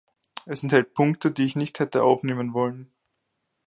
Es enthält Punkte, die ich nicht hätte aufnehmen wollen.